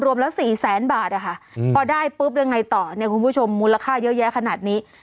รวมแล้ว๔แสนบาทนะคะพอได้ปุ๊บยังไงต่อเนี่ยคุณผู้ชมมูลค่าเยอะแยะขนาดนี้